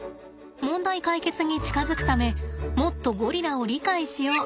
問題解決に近づくためもっとゴリラを理解しよう